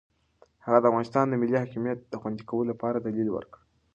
هغه د افغانستان د ملي حاکمیت د خوندي کولو لپاره دلیل ورکړ.